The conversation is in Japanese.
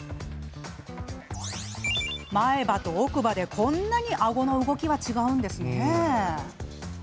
前歯と奥歯で、こんなにあごの動きは違うんですね。